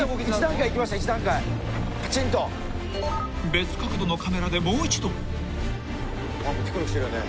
［別角度のカメラでもう一度］ぴくぴくしてるね。